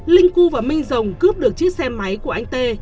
linh cưu và minh rồng cướp được chiếc xe máy của anh t